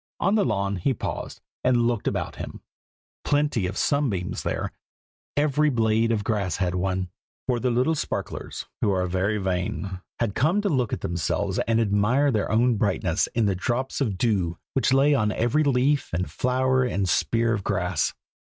On the lawn he paused, and looked about him. Plenty of sunbeams there; every blade of grass had one, for the little sparklers, who are very vain, had come to look at themselves and admire their own brightness in the drops of dew which lay on every leaf and flower and spear of grass.